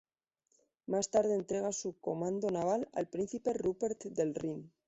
Más tarde entrega su comando naval al príncipe Rupert del Rin.